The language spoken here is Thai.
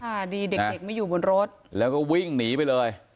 ดีเด็กเด็กไม่อยู่บนรถแล้วก็วิ่งหนีไปเลย